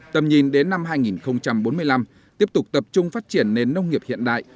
tầm nhìn đến năm hai nghìn bốn mươi năm tiếp tục tập trung phát triển nền nông nghiệp hiện đại